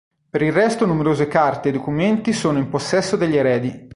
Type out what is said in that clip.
Per il resto numerose carte e documenti sono in possesso degli eredi.